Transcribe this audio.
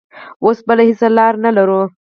اوس بله هېڅ لار نه لرو.